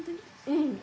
うん。